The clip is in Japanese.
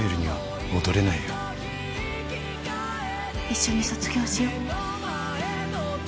一緒に卒業しよう。